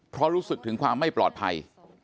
เพราะรู้สึกถึงความไม่ปลอดภัย